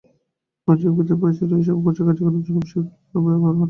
বাণিজ্যিক ভিত্তিতে পরিচালিত এসব কোর্সের কার্যক্রম চলে বিশ্ববিদ্যালয়ের অবকাঠামো ব্যবহার করে।